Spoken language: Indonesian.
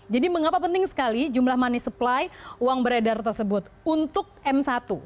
jadi mengapa penting sekali jumlah money supply uang beredar tersebut untuk m satu